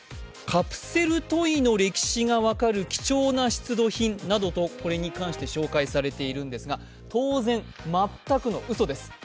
カプセルトイの歴史が分かる貴重な出土品などとこれに関して紹介されているのですが、当然、全くのうそです。